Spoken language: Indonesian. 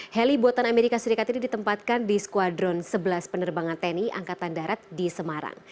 heli buatan amerika serikat ini ditempatkan di skuadron sebelas penerbangan tni angkatan darat di semarang